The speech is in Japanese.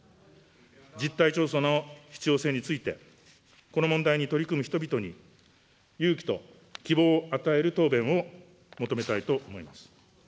実態調査の必要性について、この問題に取り組む人々に、勇気と希望を与える答弁を求めたいと思います。